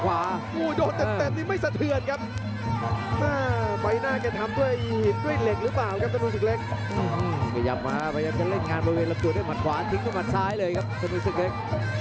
พยายามมาพยายามจะเล่นงานบริเวณลำตัวด้วยหมัดขวาทิ้งด้วยหมัดซ้ายเลยครับถนนศึกเล็ก